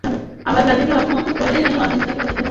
আবার ব্রাজিলকে সমর্থন করলেই যেন আর্জেন্টিনাকে পচাতে হবে।